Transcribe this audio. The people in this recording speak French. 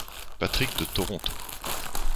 Patrick de Toronto.